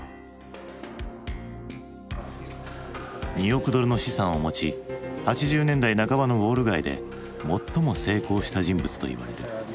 ２億ドルの資産を持ち８０年代半ばのウォール街で最も成功した人物といわれる。